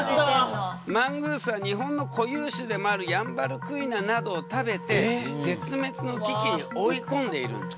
マングースは日本の固有種でもあるヤンバルクイナなどを食べて絶滅の危機に追い込んでいるんだ。